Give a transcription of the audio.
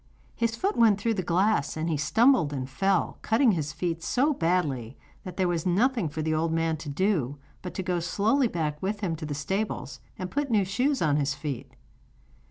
his foot went through the glass, and he stumbled and fell, cutting his feet so badly that there was nothing for the old man to do but to go slowly back with him to the stables, and put new shoes on his feet.